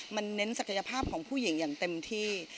มันเน้นศักยภาพของผู้หญิงอย่างเต็มที่